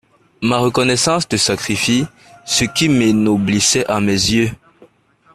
Ma reconnaissance te sacrifie ce qui m'ennoblissait à mes yeux!